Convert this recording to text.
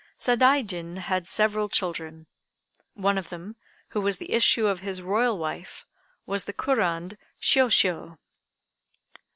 Sadaijin had several children. One of them, who was the issue of his Royal wife, was the Kurand Shiôshiô.